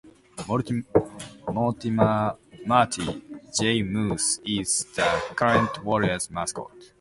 Mortimer "Morty" J. Moose is the current Warriors Mascot.